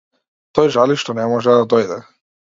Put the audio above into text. Тој жали што не може да дојде.